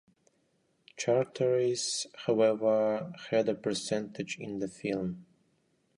Charteris, however, had a percentage in the film.